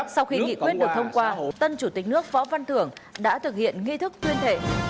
sau khi nghị quyết được thông qua tân chủ tịch nước võ văn thưởng đã thực hiện nghi thức tuyên thệ